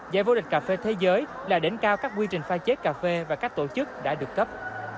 giải vô địch cà phê thế giới là đỉnh cao các quy trình pha chế cà phê và các tổ chức đã được cấp